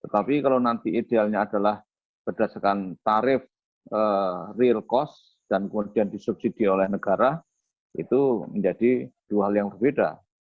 tapi kalau nanti idealnya adalah berdasarkan tarif real cost dan kemudian disubsidi oleh negara itu menjadi dua hal yang berbeda